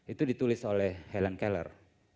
itu ditulis oleh helen keller